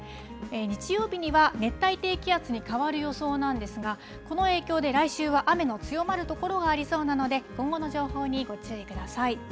日曜日には熱帯低気圧に変わる予想なんですが、この影響で、来週は雨の強まる所がありそうなので、今後の情報にご注意ください。